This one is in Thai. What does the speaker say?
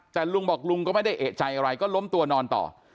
แต่ลุงบอกลุงก็ไม่ได้เอกใจอะไรก็ล้มตัวนอนต่อ